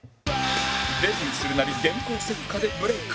デビューするなり電光石火でブレイク